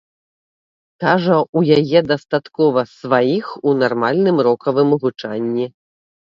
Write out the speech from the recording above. Кажа, у яе дастаткова сваіх у нармальным рокавым гучанні.